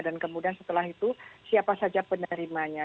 dan kemudian setelah itu siapa saja penerimanya